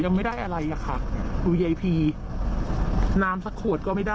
นี่คุณผู้ชม